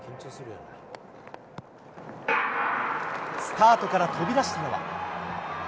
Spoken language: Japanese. スタートから飛びだしたのは。